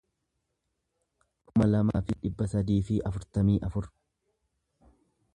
kuma lamaa fi dhibba sadii fi afurtamii afur